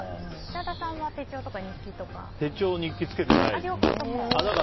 設楽さんは手帳とか日記とか。手帳、日記つけてないです。